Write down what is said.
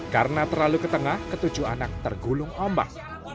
karena terlalu ke tengah ketujuh anak tergulung ombak